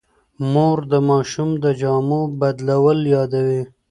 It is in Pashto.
مور د ماشوم د جامو بدلول یادوي.